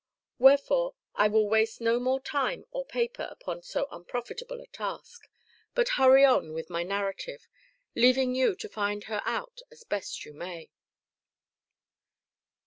Wherefore, I will waste no more time or paper upon so unprofitable a task, but hurry on with my narrative, leaving you to find her out as best you may.